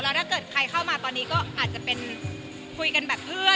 แล้วถ้าเกิดใครเข้ามาตอนนี้ก็อาจจะเป็นคุยกันแบบเพื่อน